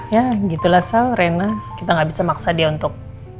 ya gitu lah sal rena kita gak bisa maksa dia untuk